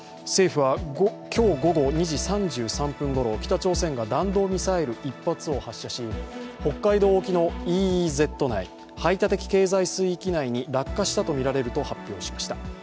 政府は今日午後２時３３分ごろ北朝鮮が弾道ミサイル１発を発射し北海道沖のＥＥＺ内、排他的経済水域内に落下したとみられると発表しました。